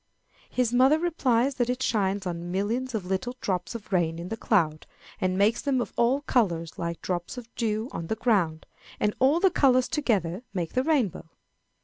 His mother replies that it shines on millions of little drops of rain in the cloud, and makes them of all colors, like drops of dew on the ground, and all the colors together make the rainbow.